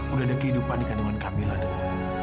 udah ada kehidupan di kandungan kambila dong